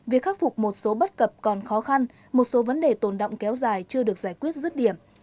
việc khắc phục một số bất cập còn khó khăn một số vấn đề tồn động kéo dài chưa được giải quyết rứt điểm